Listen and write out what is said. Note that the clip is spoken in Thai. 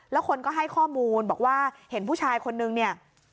แล้วคนก็ให้ข้อมูลบอกว่าเห็นผู้ชายคนนึงเนี่ย